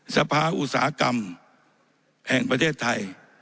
สภาอุตสาหกรรมแห่งประเทศไทย